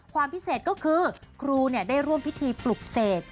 ความพิเศษก็คือครูได้ร่วมพิธีปลุกเสก